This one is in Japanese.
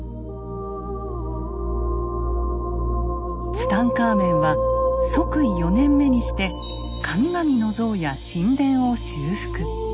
ツタンカーメンは即位４年目にして神々の像や神殿を修復。